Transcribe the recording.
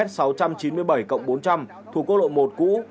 thuộc quốc lộ một cũ